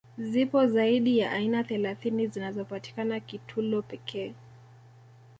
Zipo zaidi ya aina thelathini zinazopatikana Kitulo pekee